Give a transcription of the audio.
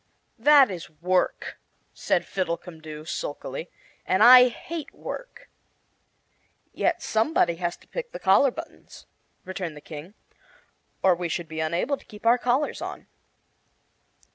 "That is work," said Fiddlecumdoo, sulkily, "and I hate work." "Yet somebody has to pick the collar buttons," returned the King, "or we should be unable to keep our collars on."